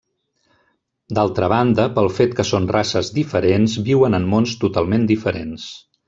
D'altra banda, pel fet que són races diferents viuen en mons totalment diferents.